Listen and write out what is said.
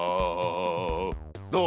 どう？